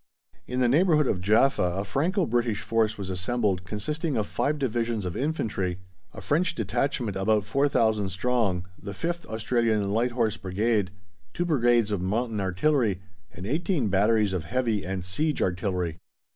In the neighbourhood of Jaffa a Franco British force was assembled consisting of five Divisions of Infantry, a French detachment about 4,000 strong, the 5th Australian Light Horse Brigade, two brigades of mountain artillery, and eighteen batteries of heavy and siege artillery.